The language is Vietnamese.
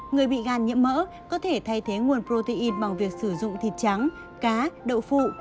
người bị gan nhiễm mỡ có thể thay thế nguồn protein bằng việc sử dụng thịt trắng cá đậu phụ